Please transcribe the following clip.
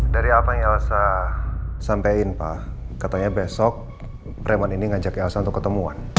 dari apa yang elsa sampaikan pak katanya besok preman ini ngajak ya elsa untuk ketemuan